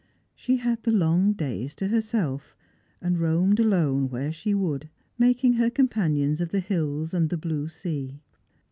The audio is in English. She had the long days to herself, and roamed alone where she would, making her companions of the hills and the blue sea.